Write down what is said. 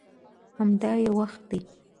همدا یې وخت دی.